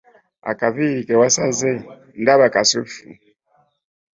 Akaviiri ke wasaze ndaba kasuffu!